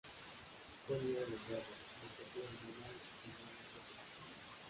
Colli era delgado, de estatura normal y con grandes ojos azules.